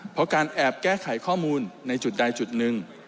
เพราะการแอบแก้ไขข้อมูลในจุดใดจุดหนึ่ง